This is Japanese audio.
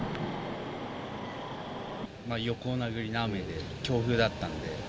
横殴りの雨で、強風だったので。